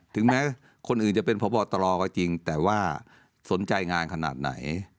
ถึงแม้คนอื่นจะเป็นพบตรก็จริงแต่ว่าสนใจงานขนาดไหน